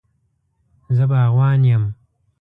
زه باغوان یم